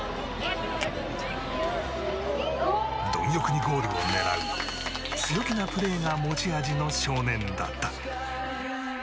貪欲にゴールを狙う強気なプレーが持ち味の少年だった。